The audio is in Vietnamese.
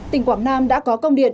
tỉnh quảng nam đã có công điện